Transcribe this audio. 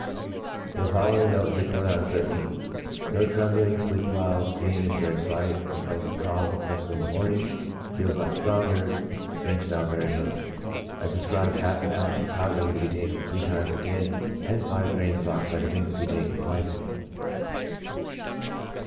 The following note was recorded on the 13th :" No trembling, sleeps well, giddiness very slight ; complains of cough, especially in the morning; feels much stronger; drinks now very little." I prescribed half an ounce of cod liver oil to be taken three times a day, and five grains of oxide of zinc to be taken twice a day.